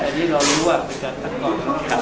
สวัสดีครับ